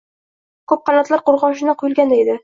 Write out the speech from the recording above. ho‘l qanotlar qo‘rg‘oshindan quyulganday edi.